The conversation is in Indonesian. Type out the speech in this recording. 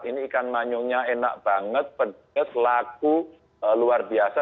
ini ikan manyungnya enak banget pedes laku luar biasa